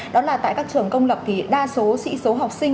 đó là tại các trường công lập thì đa số sĩ số học sinh